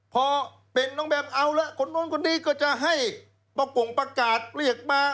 พอเป็นน้องแบมเอาละคนนู้นคนนี้ก็จะให้ประกงประกาศเรียกมา